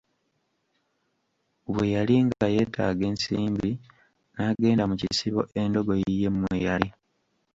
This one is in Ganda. Bwe yali nga yeetaaga ensimbi n'agenda mu kisibo endogoyi ye mwe yali.